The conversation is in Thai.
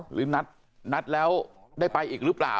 หรือนัดแล้วได้ไปอีกหรือเปล่า